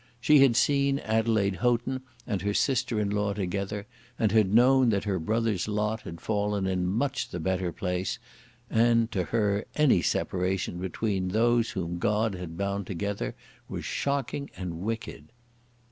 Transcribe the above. She had seen Adelaide Houghton and her sister in law together, and had known that her brother's lot had fallen in much the better place, and, to her, any separation between those whom God had bound together was shocking and wicked.